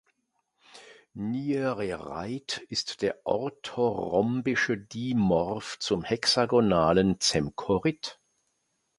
Nyerereit ist der orthorhombische Dimorph zum hexagonalen Zemkorit.